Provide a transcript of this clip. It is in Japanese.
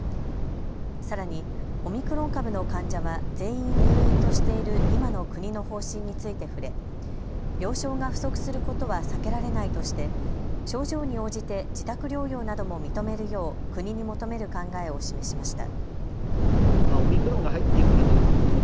さらにオミクロン株の患者は全員入院としている今の国の方針について触れ病床が不足することは避けられないとして症状に応じて自宅療養なども認めるよう国に求める考えを示しました。